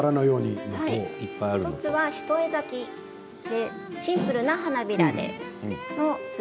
１つは一重咲きシンプルな花びらです。